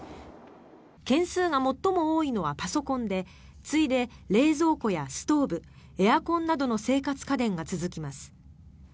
件数が最も多いのはパソコンで次いで冷蔵庫やストーブエアコンなどの生活家電が続きます。